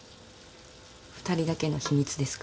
２人だけの秘密ですか？